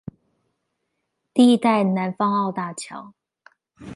第一代南方澳大橋